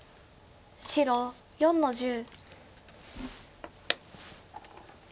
白４の十。